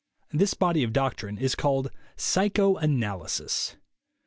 This body of doctrine is called "psychoanalysis."